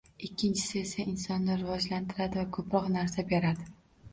Ikkinchisi esa insonni rivojlantiradi va koʻproq narsa beradi.